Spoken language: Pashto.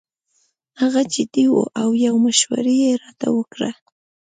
هغه جدي وو او یو مشوره یې راته ورکړه.